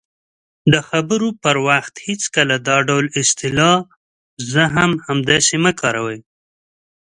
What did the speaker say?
-د خبرو پر وخت هېڅکله دا ډول اصطلاح"زه هم همداسې" مه کاروئ :